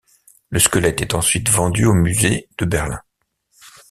Le squelette est ensuite vendu au Musée de Berlin.